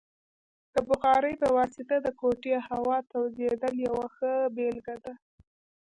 د بخارۍ په واسطه د کوټې هوا تودیدل یوه ښه بیلګه ده.